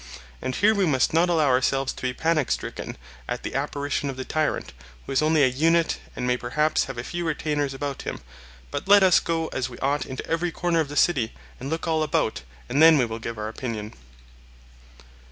And here we must not allow ourselves to be panic stricken at the apparition of the tyrant, who is only a unit and may perhaps have a few retainers about him; but let us go as we ought into every corner of the city and look all about, and then we will give our opinion.